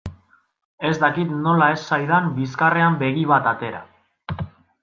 Ez dakit nola ez zaidan bizkarrean begi bat atera.